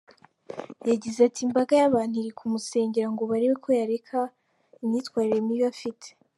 Yagize ati :« Imbaga y’abantu iri kumusengera ngo barebe ko yareka imyitwarire mibi afite.